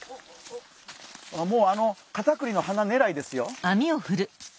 もうあのカタクリの花ねらいですよ。